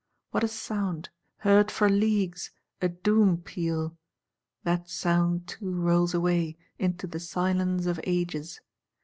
What a sound; heard for leagues: a doom peal!—That sound too rolls away, into the Silence of Ages.